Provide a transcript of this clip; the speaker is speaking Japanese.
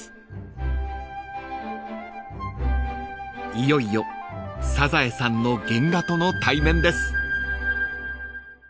［いよいよ『サザエさん』の原画との対面です］